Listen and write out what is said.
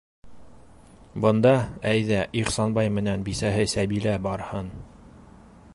Бында, әйҙә, Ихсанбай менән бисәһе Сәбилә барһын.